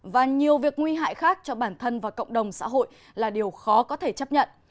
và nhiều việc nguy hại khác cho bản thân và cộng đồng xã hội là điều khó có thể chấp nhận